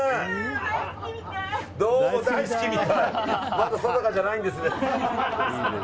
まだ定かじゃないんですね。